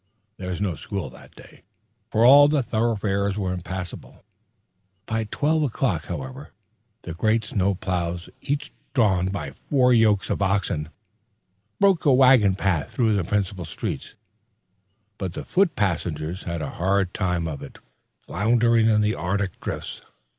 There was no school that day, for all the thoroughfares were impassable. By twelve o'clock, however, the great snowploughs, each drawn by four yokes of oxen, broke a wagon path through the principal streets; but the foot passengers had a hard time of it floundering in the arctic drifts.